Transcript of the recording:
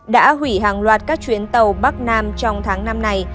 đã hủy hàng loạt các chuyến tàu bắc nam trong tháng năm này